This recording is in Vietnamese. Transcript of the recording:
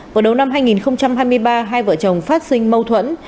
vào đầu năm hai nghìn hai mươi ba hai vợ chồng phát sinh mâu thuẫn